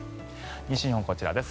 西日本はこちらです。